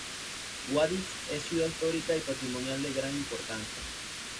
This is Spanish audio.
Guadix es ciudad histórica y patrimonial de gran importancia.